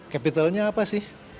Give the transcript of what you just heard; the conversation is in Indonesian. kapitalnya apa sih